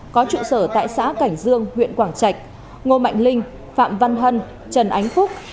có trụ sở tại xã cảnh dương huyện quảng trạch ngô mạnh linh phạm văn hân trần ánh phúc